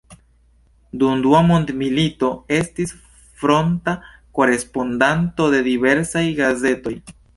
Dum dua mondmilito estis fronta korespondanto de diversaj gazetoj.